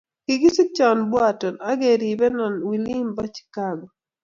kikisikchon Boaton, akeribenon wilin bo Chicago